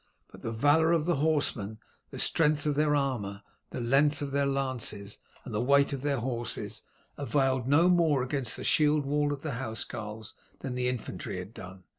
But the valour of the horsemen, the strength of their armour, the length of their lances, and the weight of their horses, availed no more against the shield wall of the housecarls than the infantry had done.